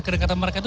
kedekatan mereka itu